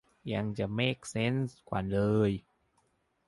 ยังจะเม็กเซนส์กว่าเลย